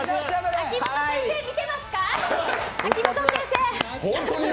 秋元先生見てますか？